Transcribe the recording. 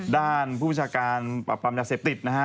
ด้านผู้ช่างการปรับปรามยาเสพติด